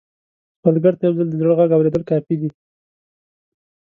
سوالګر ته یو ځل د زړه غږ اورېدل کافي دي